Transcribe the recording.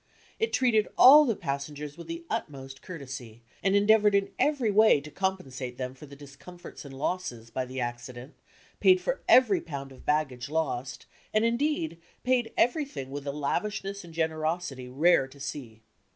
It treated all the passengers with the utmost courtesy, and endeavored in every way to compensate them for the discomforts and losses by the accident, paid for every pound of baggage lost, and indeed paid everything with a lavishness and generosity rare to see.